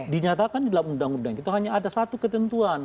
dinyatakan di dalam undang undang itu hanya ada satu ketentuan